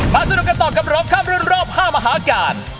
มาสรุปกันต่อกับรวมคำรุนรอบ๕มหากาล